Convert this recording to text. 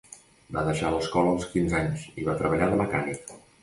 Va deixar l'escola als quinze anys i va treballar de mecànic.